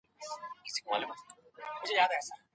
دا غونډه به په پلازمېنه کي جوړه سي.